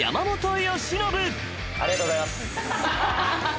ありがとうございます。